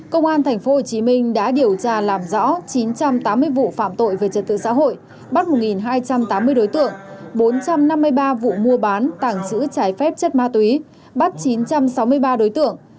công an tp hcm đã điều tra làm rõ chín trăm tám mươi vụ phạm tội về trật tự xã hội bắt một hai trăm tám mươi đối tượng bốn trăm năm mươi ba vụ mua bán tàng trữ trái phép chất ma túy bắt chín trăm sáu mươi ba đối tượng